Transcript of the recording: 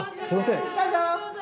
すみません